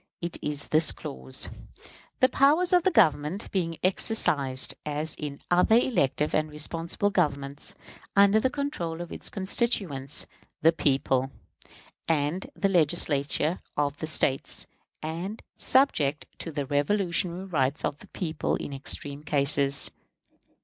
It is this clause: "The powers of the Government being exercised, as in other elective and responsible governments, under the control of its constituents, the people, and the Legislatures of the States, and subject to the revolutionary rights of the people in extreme cases."